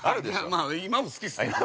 ◆まあ、今も好きっす。